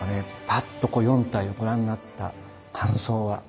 パッと４体をご覧になった感想は？